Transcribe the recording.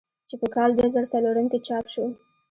چې پۀ کال دوه زره څلورم کښې چاپ شو ۔